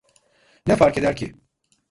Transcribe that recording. Ne farkeder ki?